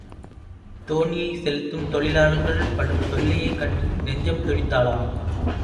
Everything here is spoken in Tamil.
தோணியைச் செலுத்தும் தொழிலாளர்கள் படும் தொல்லையைக் கண்டு நெஞ்சம் துடித்தாளாம்.